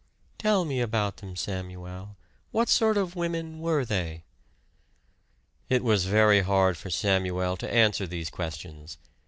"Tell me about them, Samuel. What sort of women were they?" It was very hard for Samuel to answer these questions.